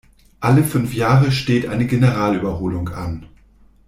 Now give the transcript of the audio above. Alle fünf Jahre steht eine Generalüberholung an.